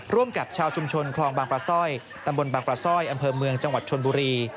ร่วมกับชาวชุมชนคลองบางปลาสร้อยตำบลบางปลาสร้อยอำเภอเมืองจังหวัดชนบุรี